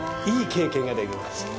いい経験ができます。